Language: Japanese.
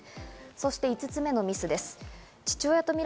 そして５つ目のミスです。